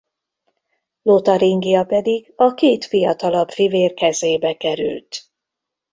Lotaringia pedig a két fiatalabb fivér kezébe került.